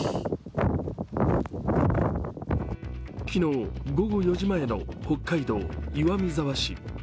昨日、午後４時前の北海道岩見沢市。